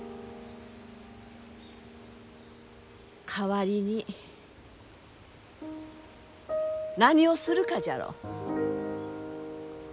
代わりに何をするかじゃろ？